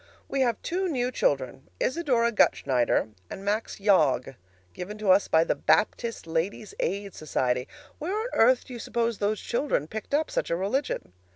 We have two new children, Isador Gutschneider and Max Yog, given to us by the Baptist Ladies' Aid Society. Where on earth do you suppose those children picked up such a religion?